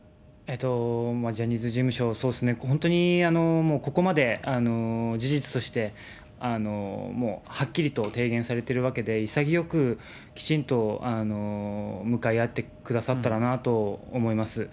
ジャニーズ事務所、そうですね、本当にもうここまで事実としてもうはっきりと提言されているわけで、潔くきちんと向かい合ってくださったらなと思います。